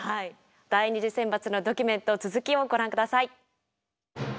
第２次選抜のドキュメント続きをご覧下さい。